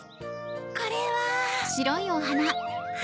これは。